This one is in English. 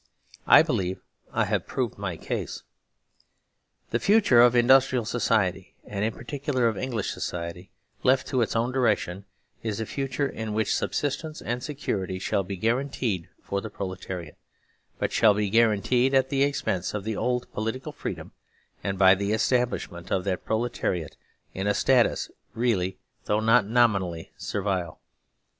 I believe I have proved my case. The future of industrial society, and in particular of English society, left to its own direction, is a future in which subsistence and security shall be guaranteed for the Proletariat, but shall be guaranteed at the ex pense of the old political freedom and by the estab lishment of that Proletariat in a status really, though not nominally, servile.